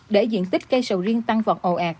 để diện tích cây sầu riêng tăng vọt ồ ạt